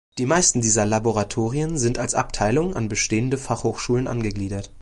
Die meisten dieser Laboratorien sind als Abteilungen an bestehende Fachhochschulen angegliedert.